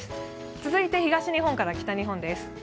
続いて東日本から北日本です。